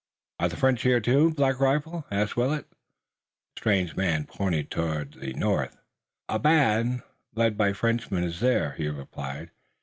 "Are the French here too, Black Rifle?" asked Willet. The strange man pointed toward the north. "A band led by a Frenchman is there," he replied.